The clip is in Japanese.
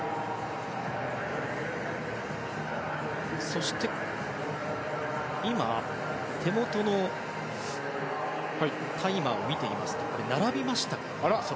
そして、手元のタイマーを見てみますと並びましたね。